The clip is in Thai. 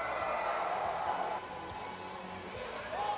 สวัสดีครับทุกคน